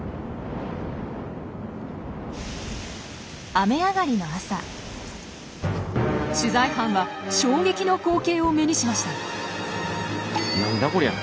雨上がりの朝取材班は衝撃の光景を目にしました。